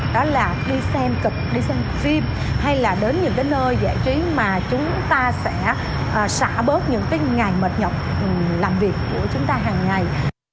đó là đi xem kịch đi xem phim hay là đến những cái nơi giải trí mà chúng ta sẽ xả bớt những cái ngàn mệt nhọc làm việc của chúng ta hàng ngày